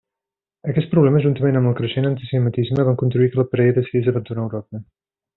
Aquests problemes, juntament amb el creixent antisemitisme, van contribuir que la parella decidís abandonar Europa.